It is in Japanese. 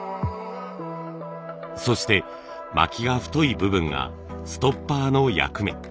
そして巻きが太い部分がストッパーの役目。